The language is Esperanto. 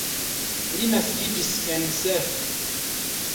Li naskiĝis en Sf.